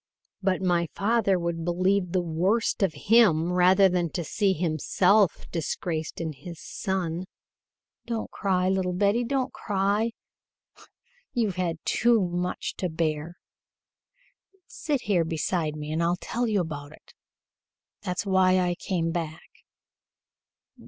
But my father would believe the worst of him rather than to see himself disgraced in his son. Don't cry, little Betty, don't cry. You've had too much to bear. Sit here beside me and I'll tell you all about it. That's why I came back."